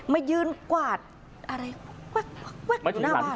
มายืนกวาดอะไรแว๊บอยู่หน้าบ้าน